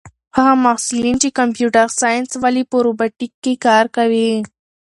هغه محصلین چې کمپیوټر ساینس لولي په روبوټیک کې کار کوي.